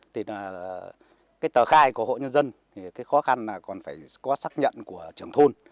thì cái tờ khai của hộ nhân dân thì cái khó khăn là còn phải có xác nhận của trưởng thôn